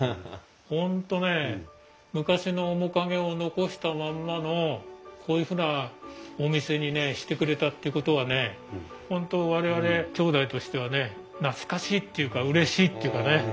本当ね昔の面影を残したまんまのこういうふうなお店にしてくれたっていうことはね本当我々兄弟としてはね懐かしいっていうかうれしいっていうかね。